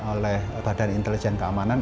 dan oleh badan intelijen keamanan